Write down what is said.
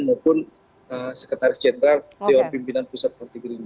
maupun sekretaris jenderal dewan pimpinan pusat partai gerindra